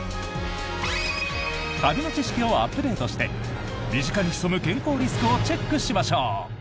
カビの知識をアップデートして身近に潜む健康リスクをチェックしましょう！